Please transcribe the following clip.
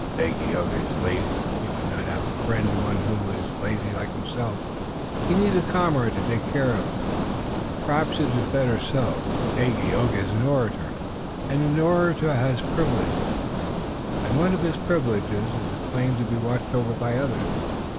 "Dagaeoga is lazy. He would not have as a friend one who is lazy like himself. He needs a comrade to take care of him. Perhaps it is better so. Dagaeoga is an orator; an orator has privileges, and one of his privileges is a claim to be watched over by others.